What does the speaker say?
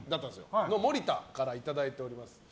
その森田からいただいてます。